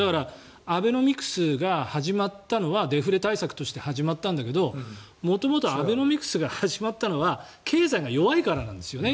アベノミクスが始まったのはデフレ対策として始まったんだけど元々アベノミクスが始まったのは経済が弱いからなんですよね。